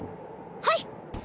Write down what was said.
はい！